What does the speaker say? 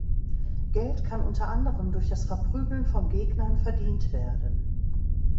Geld kann unter anderem durch das Verprügeln von Gegnern verdient werden.